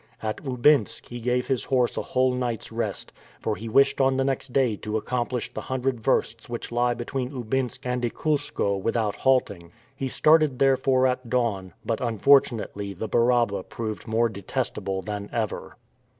At Oubinsk he gave his horse a whole night's rest, for he wished on the next day to accomplish the hundred versts which lie between Oubinsk and Ikoulskoe without halting. He started therefore at dawn; but unfortunately the Baraba proved more detestable than ever.